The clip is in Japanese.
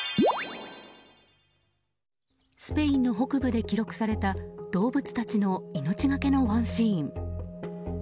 スペインの北部で記録された動物たちの命がけのワンシーン。